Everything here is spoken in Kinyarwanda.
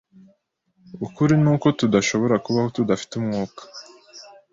Ukuri nuko tudashobora kubaho tudafite umwuka.